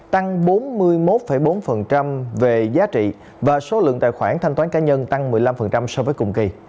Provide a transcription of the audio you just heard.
tăng bốn mươi một bốn về giá trị và số lượng tài khoản thanh toán cá nhân tăng một mươi năm so với cùng kỳ